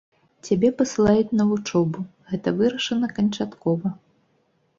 Цябе пасылаюць на вучобу, гэта вырашана канчаткова.